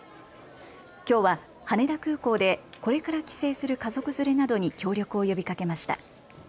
きょうは羽田空港でこれから帰省する家族連れなどに協力を呼びかけました。